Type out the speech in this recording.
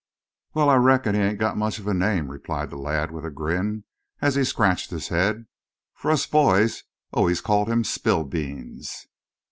"Wal, I reckon he ain't got much of a name," replied the lad, with a grin, as he scratched his head. "For us boys always called him Spillbeans."